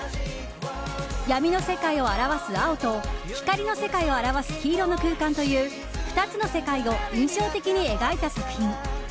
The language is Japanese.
闇の世界を表す青と光の世界を表す黄色の空間という２つの世界を印象的に描いた作品。